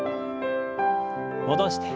戻して。